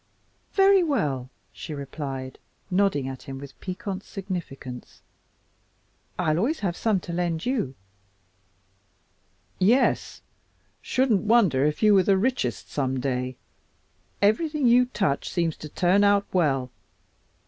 "Very well," she replied, nodding at him with piquant significance, "I'll always have some to lend you." "Yes, shouldn't wonder if you were the richest some day. Everything you touch seems to turn out well.